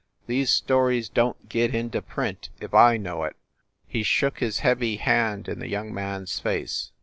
These stories don t get into print if I know it." He shook his heavy hand in the young man s face.